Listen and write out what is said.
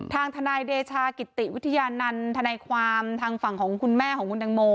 ทางทนายเดชากิติวิทยานันต์ทนายความทางฝั่งของคุณแม่ของคุณตังโม